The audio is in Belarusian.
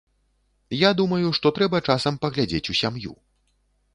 Я думаю, што трэба часам паглядзець у сям'ю.